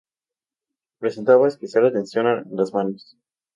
Prestaba especial atención a las manos.